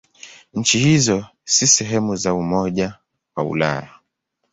Nchi hizo si sehemu za Umoja wa Ulaya.